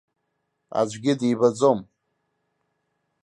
Аӡәгьы дибаӡом.